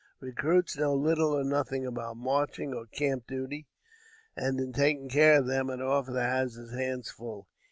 Recruits know little or nothing about marching or camp duty; and, in taking care of them, an officer has his hands full.